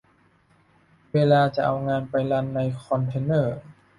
เวลาจะเอางานไปรันในคอนเทนเนอร์